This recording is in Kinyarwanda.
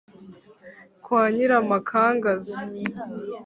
kwa nyiramakangaza.